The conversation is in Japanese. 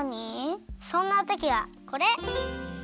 そんなときはこれ！